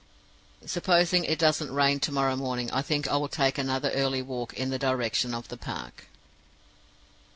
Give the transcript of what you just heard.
Supposing it doesn't rain to morrow morning, I think I will take another early walk in the direction of the park."